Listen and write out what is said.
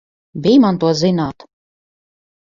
Bij man to zināt!